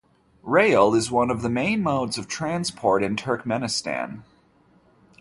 Rail is one of the main modes of transport in Turkmenistan.